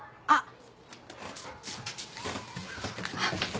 あっ。